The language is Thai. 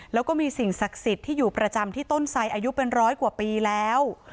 แล้วก็มีสิ่งศักดิ์สิทธิ์ที่อยู่ประจำที่ต้นไสอายุเป็นร้อยกว่าปีแล้ว